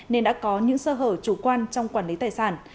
nên đã có những sơ hở chủ quan trong quản lý tài sản